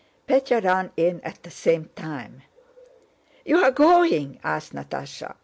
Pétya ran in at the same time. "You are going?" asked Natásha.